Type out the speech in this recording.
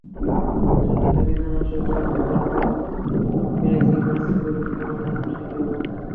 যদি তুমি না আসো, তো আমরা মেয়েকে বাসে করে তোমার ওখানে পাঠিয়ে দেব।